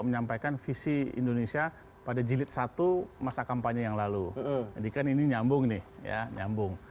menyampaikan visi indonesia yang itu yang itu